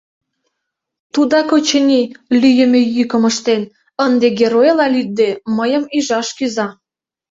Тудак, очыни, лӱйымӧ йӱкым ыштен, ынде, геройла лӱдде, мыйым ӱжаш кӱза.